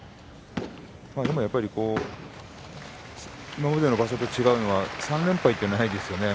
でも、やっぱり今までの場所と違うのは３連敗がないですよね